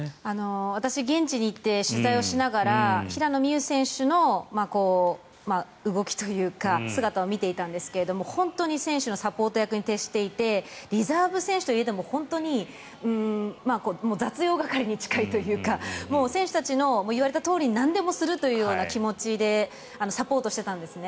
私現地に行って取材しながら平野美宇選手の動きというか姿を見ていたんですが選手のサポート役に徹底していてリザーブ選手と言えども本当に雑用係に近いというか選手たちの言われたとおりになんでもするという気持ちでサポートしていたんですね。